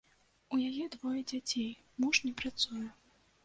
У яе двое дзяцей, муж не працуе.